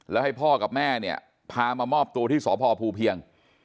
แล้วให้พ่อกับแม่เนี่ยพามามอบตัวที่สพภูเพียง